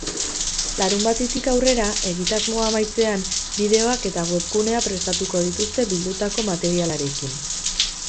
Larunbatetik aurrera, egitasmoa amaitzean, bideoak eta webgunea prestatuko dituzte bildutako materialarekin.